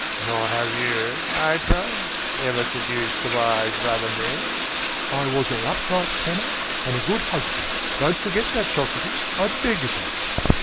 "Nor have you, I trust, ever seduced the wives of other men?" "I was an upright tanner and a good husband. Don't forget that, Socrates, I beg of you!"